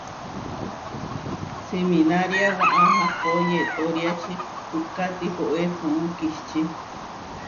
Siminária waʼá, ahpó yetóriači puʼká tihoé puú kihčí.